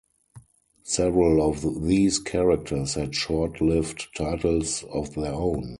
Several of these characters had short-lived titles of their own.